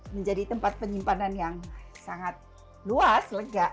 menjadi tempat penyimpanan yang sangat luas lega